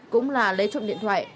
cũng là lấy trộm điện thoại